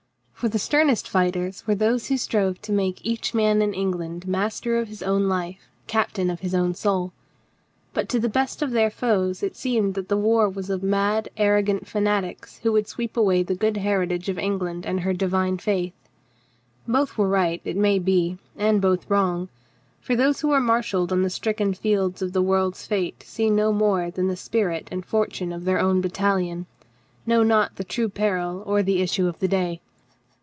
For the sternest fighters were those who strove to make each man in England mas ter of his own life, captain of his own soul. But to the best of their foes it seemed that the war was of mad, arrogant fanatics who would sweep away the good heritage of England and her divine faith. Both were right, it may be, and both wrong, for those who are marshalled on the stricken fields of the world's fate see no more than the spirit and for tune of their own battalion, know not the true peril or the issue of the day.